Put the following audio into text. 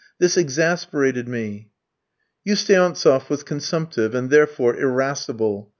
This exasperated me. Usteantseff was consumptive, and, therefore, irascible.